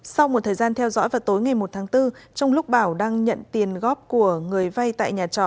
sau một thời gian theo dõi vào tối ngày một tháng bốn trong lúc bảo đang nhận tiền góp của người vay tại nhà trọ